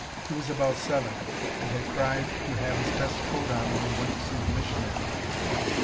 He was about seven, and had cried to have his best coat on when he went to see the missionary.